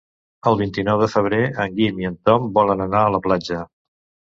El vint-i-nou de febrer en Guim i en Tom volen anar a la platja.